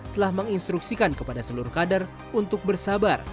telah menginstruksikan kepada seluruh kader untuk bersabar